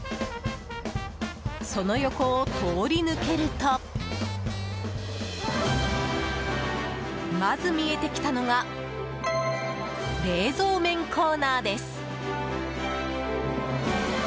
その横を通り抜けるとまず見えてきたのが冷蔵麺コーナーです。